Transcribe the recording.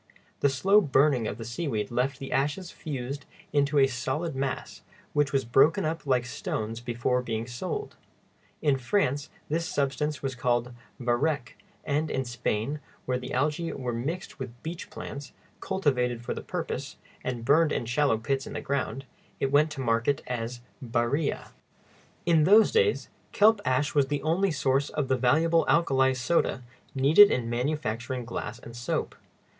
The slow burning of the seaweed left the ashes fused into a solid mass, which was broken up like stone before being sold. In France this substance was called varec; and in Spain, where the algæ were mixed with beach plants, cultivated for the purpose, and burned in shallow pits in the ground, it went to market as barilla. In those days, kelp ash was the only source of the valuable alkali soda needed in manufacturing glass and soap.